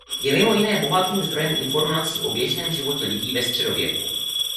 Jsou mimo jiné bohatým zdrojem informací o běžném životě lidí ve středověku.